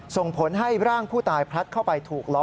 ส่งผลให้ร่างผู้ตายพลัดเข้าไปถูกล้อ